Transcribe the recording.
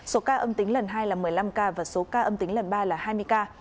số ca âm tính lần hai là một mươi năm ca và số ca âm tính lần ba là hai mươi ca